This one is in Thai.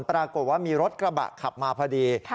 ปรากฏว่ามีรถกระบะขับมาพอดี